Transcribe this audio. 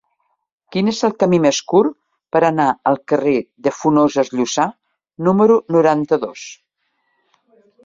Quin és el camí més curt per anar al carrer de Funoses Llussà número noranta-dos?